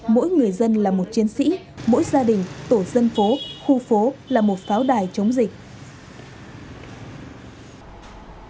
mỗi người dân là một chiến sĩ mỗi gia đình tổ dân phố khu phố là một pháo đài chống dịch